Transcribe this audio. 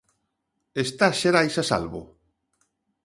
Está Xerais a salvo?